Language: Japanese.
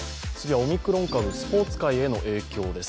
オミクロン株、スポーツ界への影響です。